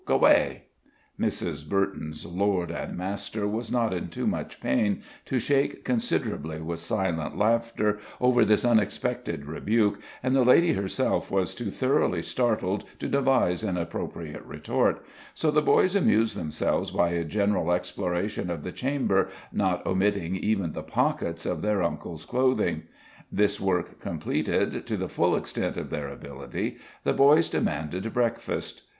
G'way." Mrs. Burton's lord and master was not in too much pain to shake considerably with silent laughter over this unexpected rebuke, and the lady herself was too thoroughly startled to devise an appropriate retort; so the boys amused themselves by a general exploration of the chamber, not omitting even the pockets of their uncle's clothing. This work completed, to the full extent of their ability, the boys demanded breakfast.